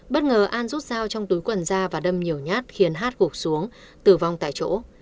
bất ngờ an rút dao trong túi quần da và đâm nhiều nhát khiến hát gục xuống tử vong tại chỗ